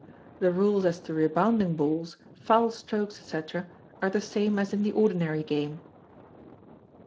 The rules as to rebounding balls, foul strokes, &c., are the same as in the ordinary game.